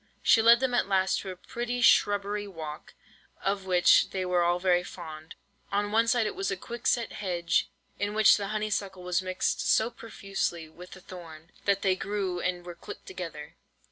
She led them at last to a pretty shrubbery walk, of which they were all very fond. On one side of it was a quick set hedge, in which the honeysuckle was mixed so profusely with the thorn, that they grew and were clipped together.